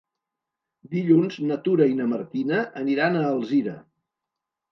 Dilluns na Tura i na Martina aniran a Alzira.